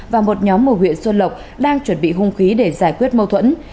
và một nhóm ở huyện xuân lộc đang chuẩn bị hung khí để giải quyết mâu thuẫn